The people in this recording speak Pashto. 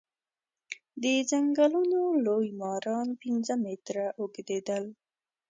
د ځنګلونو لوی ماران پنځه متره اوږديدل.